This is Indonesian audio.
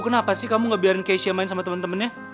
kenapa sih kamu ngebiarin keisha main sama temen temennya